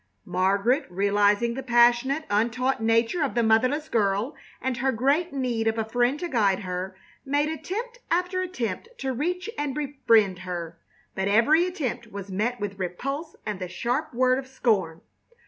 Margaret, realizing the passionate, untaught nature of the motherless girl and her great need of a friend to guide her, made attempt after attempt to reach and befriend her; but every attempt was met with repulse and the sharp word of scorn.